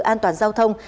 an toàn giao thông